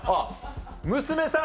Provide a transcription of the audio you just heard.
娘さん！